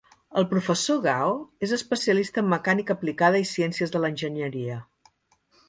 El professor Gao és especialista en mecànica aplicada i ciències de l'enginyeria.